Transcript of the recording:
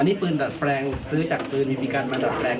นี่ปืนดัดแปลงซื้อจากปืนมีการมาดัดแปลง